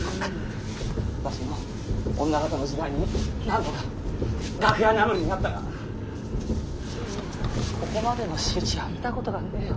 私も女形の時代に何度か楽屋なぶりに遭ったがここまでの仕打ちは見たことがねえよ。